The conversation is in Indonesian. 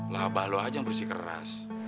lah abah lu aja yang berusia keras